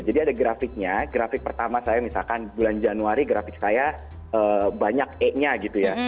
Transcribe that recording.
jadi ada grafiknya grafik pertama saya misalkan bulan januari grafik saya banyak e nya gitu ya